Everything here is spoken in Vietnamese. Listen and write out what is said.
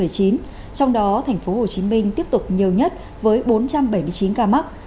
trong đó tp hcm tiếp tục nhiều nhất với bốn trăm bảy mươi chín ca mắc